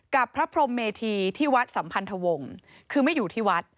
กับพระพรมเมธีที่วัดสัมพันธวงศ์คือไม่อยู่ที่วัด